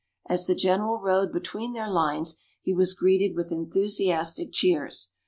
As the General rode between their lines he was greeted with enthusiastic cheers.